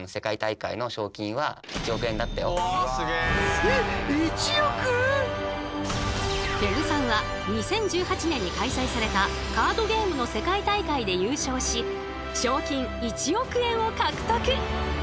ふぇぐさんは２０１８年に開催されたカードゲームの世界大会で優勝し賞金１億円を獲得。